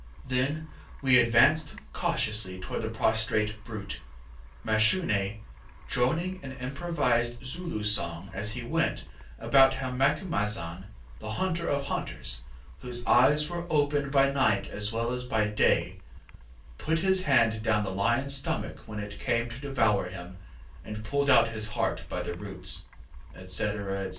ŌĆ£Then we advanced cautiously towards the prostrate brute, Mashune droning an improvised Zulu song as he went, about how Macumazahn, the hunter of hunters, whose eyes are open by night as well as by day, put his hand down the lionŌĆÖs stomach when it came to devour him and pulled out his heart by the roots, &c., &c.